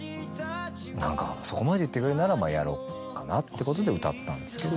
何かそこまで言ってくれるならやろうかなってことで歌ったんですけど。